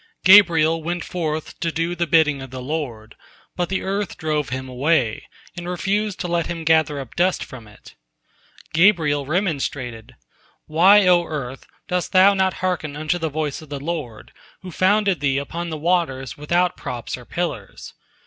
Gabriel went forth to do the bidding of the Lord, but the earth drove him away, and refused to let him gather up dust from it. Gabriel remonstrated: "Why, O Earth, dost thou not hearken unto the voice of the Lord, who founded thee upon the waters without props or pillars?"